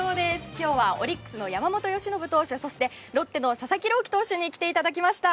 今日はオリックスの山本由伸投手そしてロッテの佐々木朗希投手に来ていただきました。